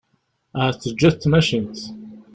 Ahat teǧǧa-t tmacint.